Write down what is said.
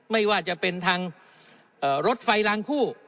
ไม่ว่าจะเป็นทางรถไฟลางคู่